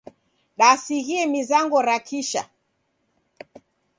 Dasighie mizango ra kisha.